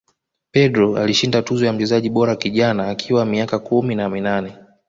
pedro alishinda tuzo ya mchezaji bora kijana akiwa miaka kumi na minane